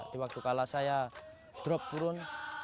di waktu kalah saya drop turun